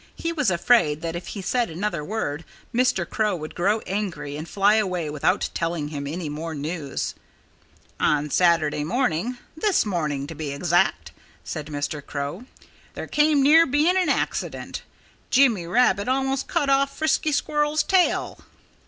He was afraid that if he said another word Mr. Crow would grow angry and fly away without telling him any more news. "On Saturday this morning, to be exact" said Mr. Crow, "there came near being a bad accident. Jimmy Rabbit almost cut off Frisky Squirrel's tail."